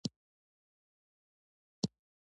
• د سهار خاموشي د دعا کولو غوره وخت دی.